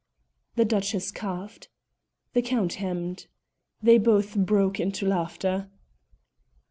The Duchess coughed. The Count hemmed. They both broke into laughter.